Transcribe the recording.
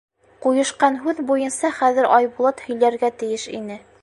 Ҡуйышҡан һүҙ буйынса хәҙер Айбулат һөйләргә тейеш ине.